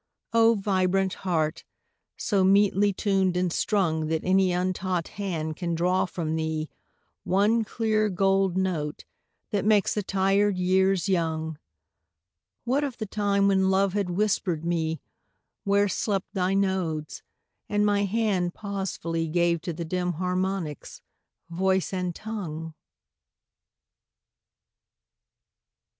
O vibrant heart! so metely tuned and strung That any untaught hand can draw from thee One clear gold note that makes the tired years young What of the time when Love had whispered me Where slept thy nodes, and my hand pausefully Gave to the dim harmonics voice and tongue?